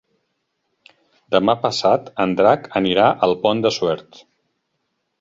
Demà passat en Drac anirà al Pont de Suert.